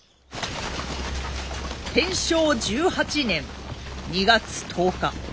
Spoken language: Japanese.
天正１８年２月１０日